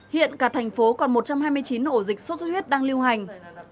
hiện cả thành phố còn một trăm hai mươi chín ổ dịch sốt xuất huyết đang lưu hành